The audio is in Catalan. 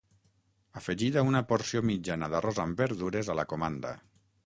Afegida una porció mitjana d'arròs amb verdures a la comanda.